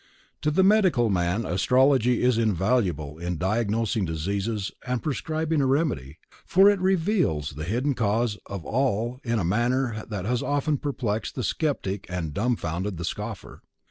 To the medical man Astrology is invaluable in diagnosing diseases and prescribing a remedy, for it reveals the hidden cause of all ailments, in a manner that has often perplexed the skeptic and dumbfounded the scoffer.